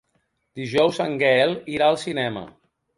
Dijous en Gaël irà al cinema.